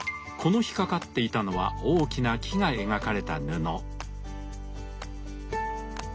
この日掛かっていたのは大きな木が描かれた布。